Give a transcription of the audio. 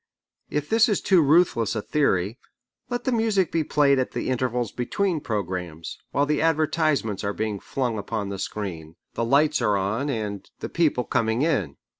If this is too ruthless a theory, let the music be played at the intervals between programmes, while the advertisements are being flung upon the screen, the lights are on, and the people coming in.